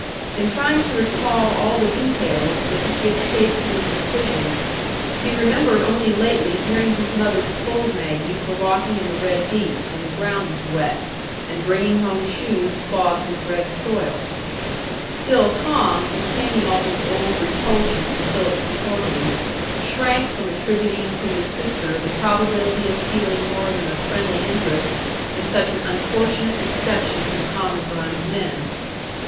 In trying to recall all the details that could give shape to his suspicions, he remembered only lately hearing his mother scold Maggie for walking in the Red Deeps when the ground was wet, and bringing home shoes clogged with red soil; still Tom, retaining all his old repulsion for Philip's deformity, shrank from attributing to his sister the probability of feeling more than a friendly interest in such an unfortunate exception to the common run of men.